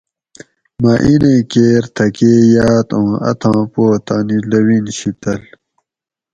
مٞہ اِینیں کیر تھکٞے یاٞت اُوں اتھاں پو تانی لٞوِن شی تٞل